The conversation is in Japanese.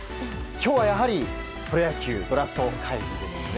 今日はやはりプロ野球ドラフト会議ですね。